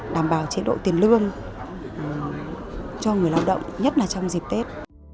đảm bảo chế độ tiền lương cho người lao động nhất là trong dịp tết